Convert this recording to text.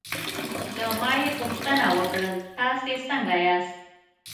له ما یې پوښتنه وکړل: تاسې څنګه یاست؟